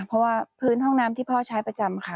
เพราะว่าพื้นห้องน้ำที่พ่อใช้ประจำค่ะ